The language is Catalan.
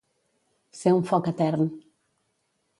Ser un foc etern.